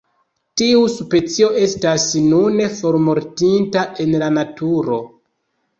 Tiu specio estas nune formortinta en la naturo.